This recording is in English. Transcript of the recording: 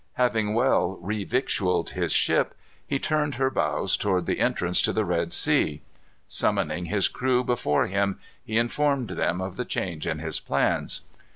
Having well revictualled his ship, he turned her bows toward the entrance to the Red Sea. Summoning his crew before him, he informed them of the change in his plans.